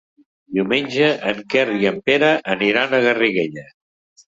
Diumenge en Quer i en Pere aniran a Garriguella.